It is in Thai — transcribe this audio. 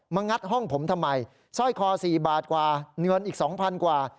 งัดห้องผมทำไมสร้อยคอ๔บาทกว่าเงินอีก๒๐๐กว่า